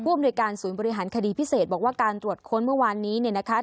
อำนวยการศูนย์บริหารคดีพิเศษบอกว่าการตรวจค้นเมื่อวานนี้เนี่ยนะคะ